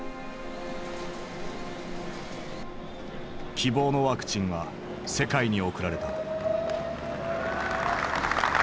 希望のワクチンは世界に送られた。